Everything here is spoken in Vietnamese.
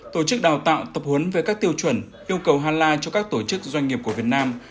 tổ chức đào tạo tập huấn về các tiêu chuẩn yêu cầu hà la cho các tổ chức doanh nghiệp của việt nam